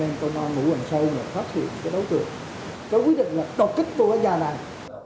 em công an nguyễn sơn phát hiện cái đấu tượng cái quyết định là đột kích cô gái già này